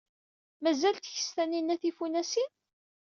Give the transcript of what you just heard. Mazal tkess Taninna tifunasin?